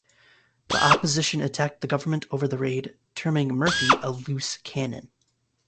The Opposition attacked the Government over the raid, terming Murphy a "loose cannon".